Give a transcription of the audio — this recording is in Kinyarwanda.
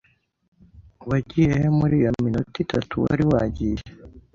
Wagiye he muri iyo minota itatu wari wagiye?